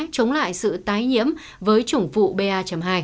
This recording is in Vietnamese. chống lại sự tái nhiễm với chủng vụ ba hai